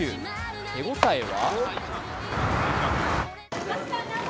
手応えは？